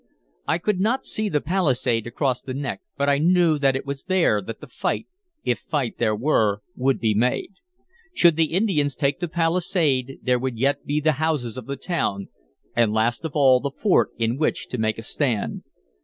I could not see the palisade across the neck, but I knew that it was there that the fight if fight there were would be made. Should the Indians take the palisade, there would yet be the houses of the town, and, last of all, the fort in which to make a stand.